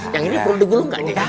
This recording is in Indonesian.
yang ini perlu digulung gak